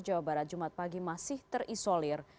jawa barat jumat pagi masih terisolir